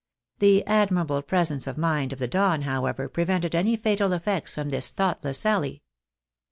The admirable presence of mind of the Don, however, prevented any fatal effects from this thoughtless sally.